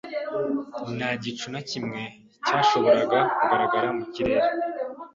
Nta gicu na kimwe cyashoboraga kugaragara mu kirere.